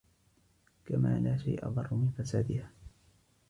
كَمَا لَا شَيْءَ أَضَرُّ مِنْ فَسَادِهَا